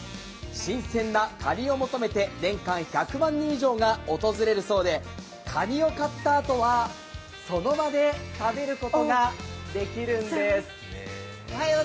新鮮なかにを求めて年間１００万人以上が訪れるそうで、かにを買ったあとは、その場で食べることができるんです。